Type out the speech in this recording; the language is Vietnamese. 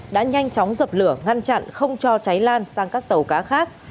đã nhanh chóng dập lửa ngăn chặn không cho cháy lan sang các tàu cá khác